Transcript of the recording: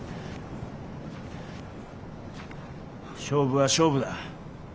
勝負は勝負だ。